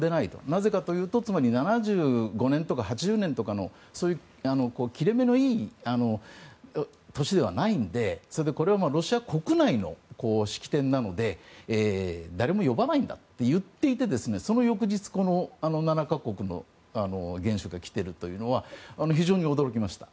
なぜかというとつまり７５年とか８０年とかそういう切れ目のいい年ではないのでこれはロシア国内の式典なので誰も呼ばないんだと言っていてその翌日７か国の元首が来てるというのは非常に驚きました。